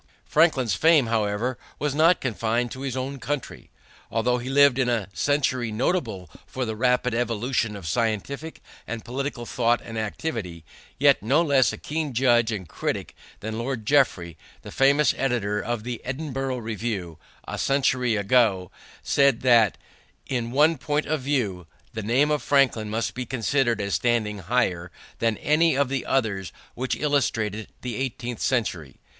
Franklin's fame, however, was not confined to his own country. Although he lived in a century notable for the rapid evolution of scientific and political thought and activity, yet no less a keen judge and critic than Lord Jeffrey, the famous editor of the Edinburgh Review, a century ago said that "in one point of view the name of Franklin must be considered as standing higher than any of the others which illustrated the eighteenth century.